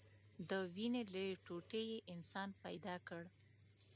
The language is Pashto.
د وينې له ټوټې يې انسان پيدا كړ.